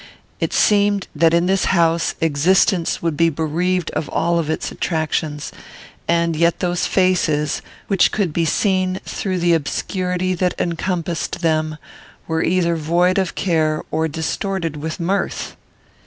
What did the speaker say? It seemed that in this house existence would be bereaved of all its attractions; and yet those faces, which could be seen through the obscurity that encompassed them, were either void of care or distorted with mirth.